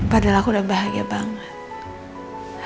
padahal aku udah bahagia banget